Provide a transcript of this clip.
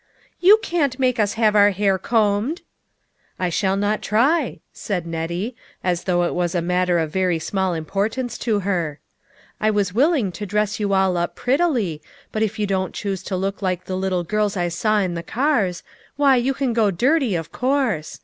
" You can't make us have our hair combed." " I shall not try," said Nettie, as though it was a matter of very small importance to her. " I was willing to dress you all up prettily, but if you don't choose to look like the little girls I saw on the cars, why you can go dirty, of course.